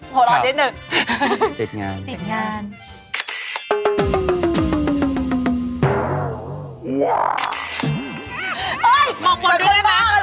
ฝึกหน้าจอเดี๋ยวเอานะ